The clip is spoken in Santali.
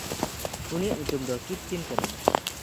ᱩᱱᱤᱭᱟᱜ ᱧᱩᱛᱩᱢ ᱫᱚ ᱠᱤᱯᱴᱤᱱ ᱠᱟᱱᱟ᱾